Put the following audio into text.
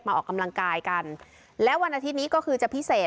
ออกกำลังกายกันและวันอาทิตย์นี้ก็คือจะพิเศษ